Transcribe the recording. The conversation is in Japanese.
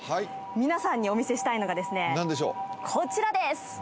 皆さんにお見せしたいのがですねこちらです